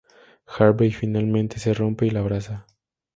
Harvey finalmente se rompe y la abraza.